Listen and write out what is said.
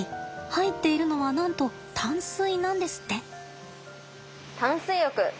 入っているのはなんと淡水なんですって。